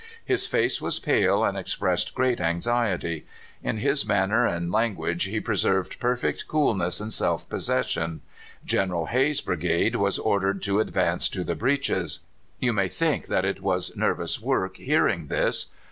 His face was pale and expressed great anxiety. In his manner and language he preserved perfect coolness and self possession. General Hay's brigade was ordered to advance to the breaches. "You may think that it was nervous work hearing this.